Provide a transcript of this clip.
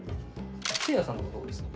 せいやさんとかどうですか？